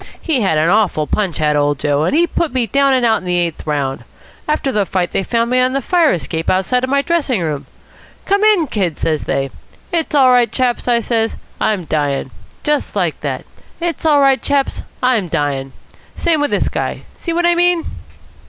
He had an awful punch, had old Joe, and he put me down and out in the eighth round. After the fight they found me on the fire escape outside my dressing room. 'Come in, Kid,' says they. 'It's all right, chaps,' I says, 'I'm dying.' Like that. 'It's all right, chaps, I'm dying.' Same with this guy. See what I mean?"